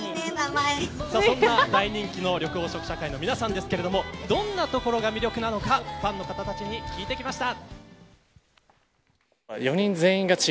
大人気の緑黄色社会のみなさんですがどんなところが魅力なのかファンの方たちに聞いてみました。